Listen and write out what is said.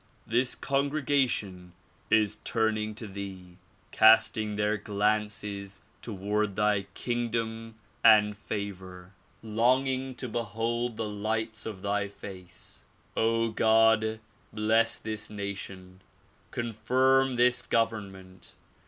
This congregation is turning to thee, casting their glances toward thy kingdom and favor, longing DISCOURSES DELIVKKED IN CHICAGO 93 to behold the lights of thy face. God ! bless this nation. Confirm this government.